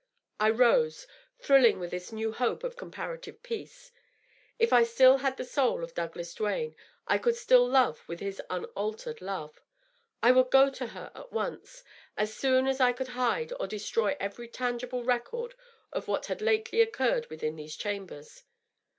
.. I rose, thrilling with this new hope of comparative peace. If I still had the soul of Douglas Duane I could still love with his unaltered love. I would go to her at once — as soon as I could hide or destroy every tangible record of what had lately occurred within these chambers.